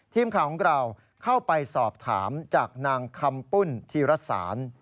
ทีมข่าวของเราเข้าไปสอบถามจากนางคำปุ้นธีรสาร